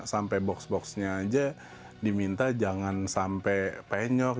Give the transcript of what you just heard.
sampai box boxnya aja diminta jangan sampai penyok